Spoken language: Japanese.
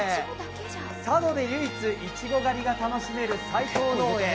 佐渡で唯一、いちご狩りが楽しめる斉藤農園。